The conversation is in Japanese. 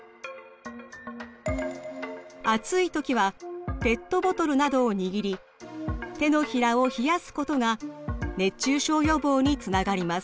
暑い時はペットボトルなどを握り手のひらを冷やすことが熱中症予防につながります。